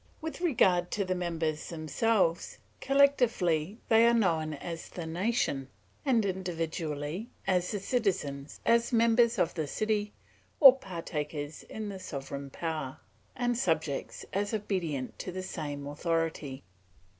With regard to the members themselves, collectively they are known as the nation, and individually as citizens as members of the city or partakers in the sovereign power, and subjects as obedient to the same authority.